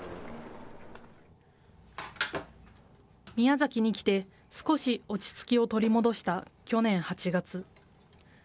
宮崎に来て、少し落ち着きを取り戻した去年８月。